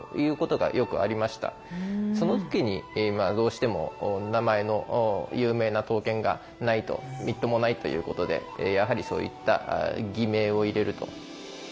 その時にどうしても名前の有名な刀剣がないとみっともないということでやはりそういった偽名を入れると。